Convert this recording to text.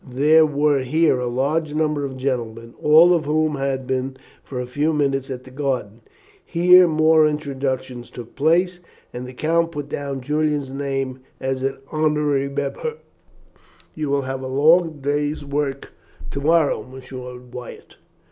There were here a large number of gentlemen, all of whom had been for a few minutes at the garden. Here more introductions took place, and the count put down Julian's name as an honorary member. "You will have a long day's work to morrow, Monsieur Wyatt."